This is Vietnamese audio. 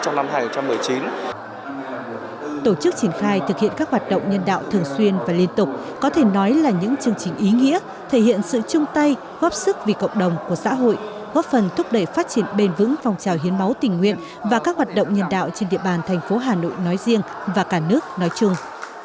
tổ chức triển khai thực hiện các hoạt động nhân đạo thường xuyên và liên tục có thể nói là những chương trình ý nghĩa thể hiện sự chung tay góp sức vì cộng đồng của xã hội góp phần thúc đẩy phát triển bền vững phong trào hiến máu tình nguyện và các hoạt động nhân đạo trên địa bàn thành phố hà nội nói riêng và cả nước nói chung